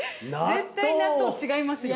絶対納豆違いますよ。